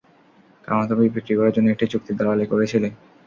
কারণ তুমি বিক্রি করার জন্য একটি চুক্তির দালালি করেছিলে।